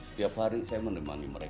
setiap hari saya menemani mereka